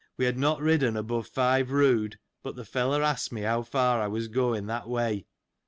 We had not ridden above five rood, but the fellow asked me how far I was going that way.